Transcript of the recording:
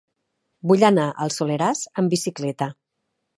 Vull anar al Soleràs amb bicicleta.